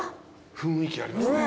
雰囲気ありますね。